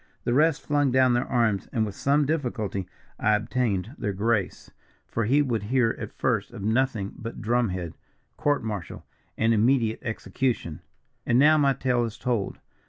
The rest flung down their arms, and with some difficulty I obtained their grace, for he would hear at first of nothing but drum head, court martial, and immediate execution. "And now, my tale is told.